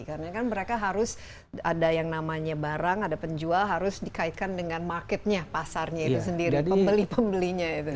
karena kan mereka harus ada yang namanya barang ada penjual harus dikaitkan dengan marketnya pasarnya itu sendiri pembeli pembelinya itu